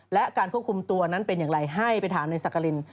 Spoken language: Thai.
และการควบคุมตัวนั้นเป็นอย่างไรให้ไปถามในสักกริน